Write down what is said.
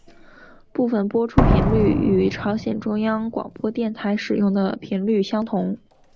部分播出频率与朝鲜中央广播电台使用的频率相同。